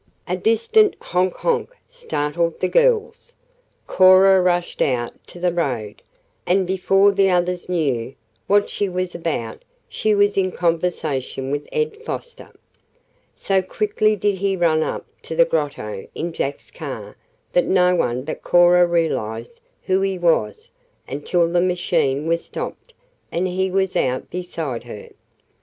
A distant "honk honk" startled the girls. Cora rushed out to the road, and before the others knew what she was about she was in conversation with Ed Foster. So quickly did he run up to the Grotto in Jack's car that no one but Cora realized who he was until the machine was stopped and he was out beside her.